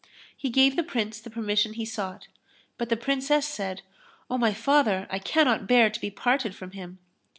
He gave the Prince the permission he sought; but the Princess said, "O my father, I cannot bear to be parted from him."